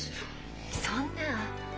そんな。